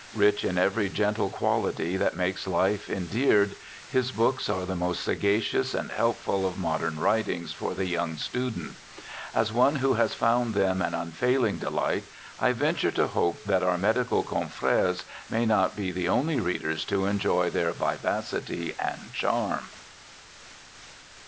Rich in every gentle quality that makes life endeared, his books are the most sagacious and helpful of modern writings for the young student. As one who has found them an unfailing delight, I venture to hope that our medical confrères may not be the only readers to enjoy their vivacity and charm.